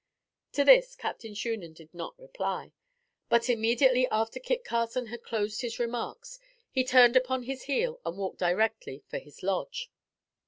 To this Captain Shunan did not reply; but, immediately after Kit Carson had closed his remarks, he turned upon his heel and walked directly for his lodge.